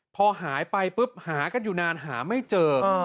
พอหายไปปุ๊บหากันอยู่นานหาไม่เจอ